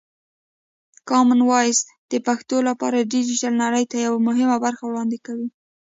کامن وایس د پښتو لپاره د ډیجیټل نړۍ ته یوه مهمه برخه وړاندې کوي.